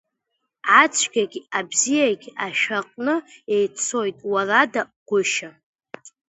Ацәгьагь абзиагь ашәакны еиццоит, Уарада, гәышьа!